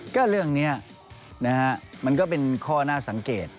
ก็เรื่องนี้นะฮะมันก็เป็นข้อน่าสังเกต